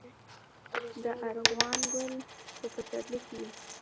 د ارغوان ګل په پسرلي کې وي